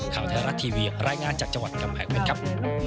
ข่าวแทนรักทีวีรายงานจากจังหวัดกำแขกมันครับ